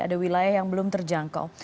ada wilayah yang belum terjangkau